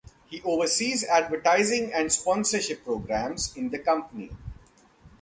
He oversees advertising and sponsorship programs in the company.